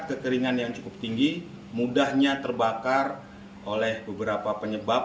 kekeringan yang cukup tinggi mudahnya terbakar oleh beberapa penyebab